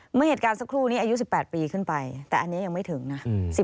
เมื่อเหตุการณ์สักครู่นี้อายุ๑๘ปีขึ้นไปแต่อันนี้ยังไม่ถึงนะ